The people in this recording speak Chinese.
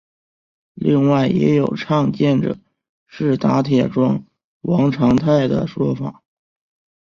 另外也有倡建者是打铁庄王长泰的说法。